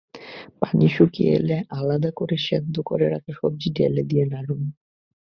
পানি শুকিয়ে এলে আলাদা করে সেদ্ধ করে রাখা সবজি ঢেলে দিয়ে নাড়ুন।